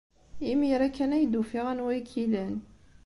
Imir-a kan ay d-ufiɣ anwa ay k-ilan.